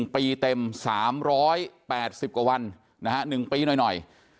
๑ปีเต็ม๓๘๐กว่าวันนะฮะ๑ปีหน่อย